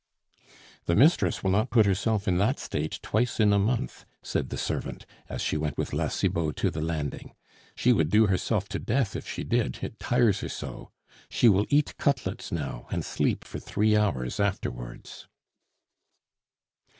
"The mistress will not put herself in that state twice in a month," said the servant, as she went with La Cibot to the landing. "She would do herself to death if she did, it tires her so. She will eat cutlets now and sleep for three hours afterwards."